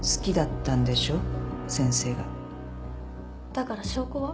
だから証拠は？